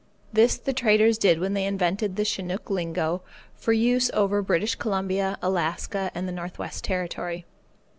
This the traders did when they invented the Chinook lingo for use over British Columbia, Alaska, and the Northwest Territory.